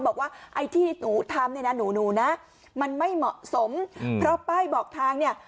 บอกว่าไอ้ที่หนูทำเนี่ยนะหนูนะมันไม่เหมาะสมเพราะป้ายบอกทางเนี่ย